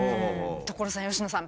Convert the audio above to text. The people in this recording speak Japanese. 所さん佳乃さん。